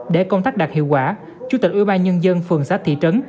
để công tác đạt hiệu quả chủ tịch ủy ban nhân dân phường xã thị trấn